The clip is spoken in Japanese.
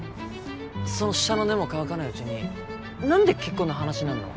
その舌の根も乾かないうちに何で結婚の話になんの？